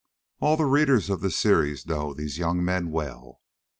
All of the readers of this series know these young men well.